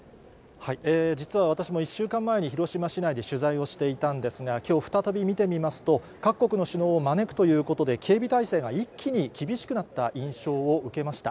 実は私も１週間前に広島市内で取材をしていたんですが、きょう、再び見てみますと、各国の首脳を招くということで、警備体制が一気に厳しくなった印象を受けました。